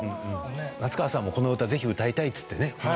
夏川さんもこの歌ぜひ歌いたいっつってね。